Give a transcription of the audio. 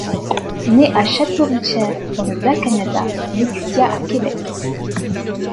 Né à Château-Richer dans le Bas-Canada, il étudia à Québec.